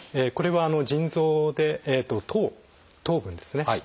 これは腎臓でえっと糖糖分ですね